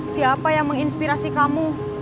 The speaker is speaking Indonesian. siapa yang menginspirasi kamu